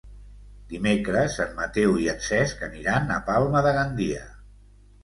Dimecres en Mateu i en Cesc aniran a Palma de Gandia.